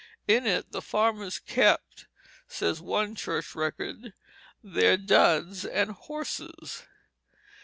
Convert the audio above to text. In it the farmers kept, says one church record, "their duds and horses."